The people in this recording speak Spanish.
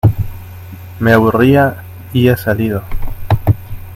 me aburría, y he salido...